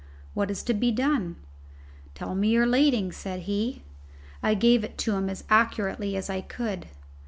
"What is to be done?" "Tell me your lading," said he. I gave it to him as accurately as I could.